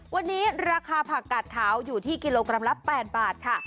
วันนี้ราคาผักกาดขาวอยู่ที่กิโลกรัมละ๘บาทค่ะ